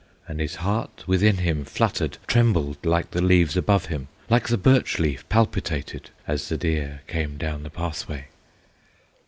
And his heart within him fluttered, Trembled like the leaves above him, Like the birch leaf palpitated, As the deer came down the pathway.